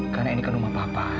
karena ini rumah papa